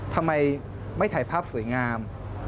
ทำไมไม่ถ่ายภาพสวยงาม